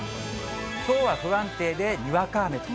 きょうは不安定でにわか雨と。